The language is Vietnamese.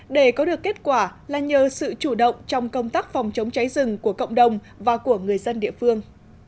để có được kết quả là nhờ sự chủ động trong công tác phòng chống cháy rừng của cộng đồng và của người dân địa phương